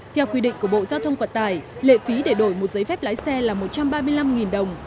theo quy định của bộ giao thông vận tải lệ phí để đổi một giấy phép lái xe là một trăm ba mươi năm đồng